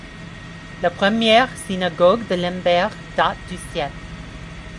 La première synagogue de Lemberg date du siècle.